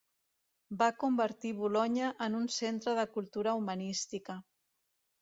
Va convertir Bolonya en un centre de cultura humanística.